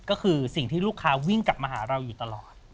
ก็คือสิ่งที่ลูกค้าวิ่งกลับมาหาเราอยู่ตลอด